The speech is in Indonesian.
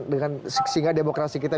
dengan sehingga demokrasi kita